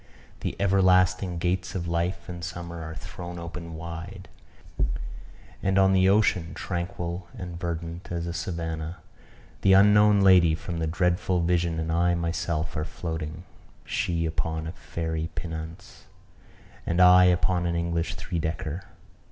The everlasting gates of life and summer are thrown open wide; and on the ocean, tranquil and verdant as a savanna, the unknown lady from the dreadful vision and I myself are floating: she upon a fairy pinnace, and I upon an English three decker.